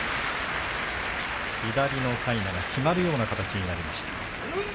左のかいながきまるような形になりました。